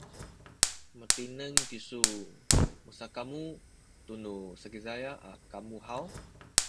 matineng kisu musakamu tunu Sakizaya a kamu haw?